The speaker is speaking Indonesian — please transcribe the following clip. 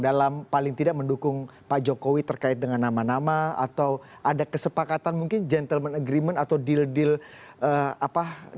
dalam paling tidak mendukung pak jokowi terkait dengan nama nama atau ada kesepakatan mungkin gentleman agreement atau deal deal antara bapak dengan ketua umum partai golkar